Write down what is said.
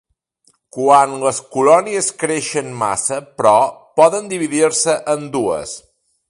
Quan les colònies creixen massa, però, poden dividir-se en dues.